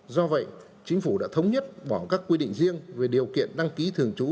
do vậy chính phủ đã thống nhất bỏ các quy định riêng về điều kiện đăng ký thường trú